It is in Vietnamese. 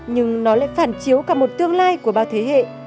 nhưng nó lại phản chiếu cả một tương lai của bao thế hệ